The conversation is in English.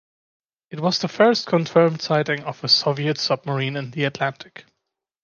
It was the first confirmed sighting of a Soviet submarine in the Atlantic.